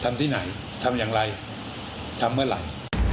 ทำที่ไหนทำอย่างไรทำเมื่อไหร่